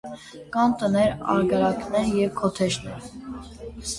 Կան տներ ագարակներ և քոթեջներ։